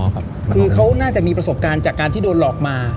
คือเขาน่าจะมีประสบการณ์จากการที่โดนหลอกมา